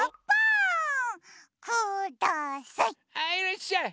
はいいらっしゃい！